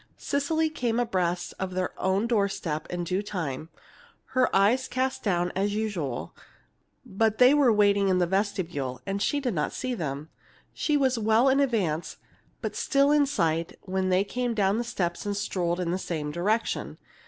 Cecily came abreast of their own door step in due time, her eyes cast down as usual; but they were waiting in the vestibule, and she did not see them. She was well in advance, but still in sight, when they came down the steps and strolled in the same direction.